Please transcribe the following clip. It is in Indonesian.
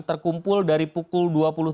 terkumpul dari pukul dua puluh tiga